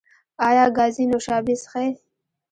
ایا ګازي نوشابې څښئ؟